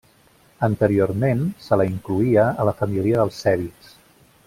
Anteriorment, se la incloïa a la família dels cèbids.